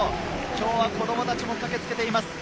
今日は子供たちも駆けつけています。